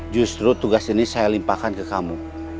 justru tugas ini saya limpahkan ke kamu